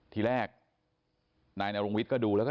ทีแรกนายนรงวิทย์ก็ดูแล้วก็